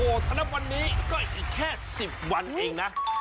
ถ้านับวันนี้ก็อีกแค่๑๐วันเองนะ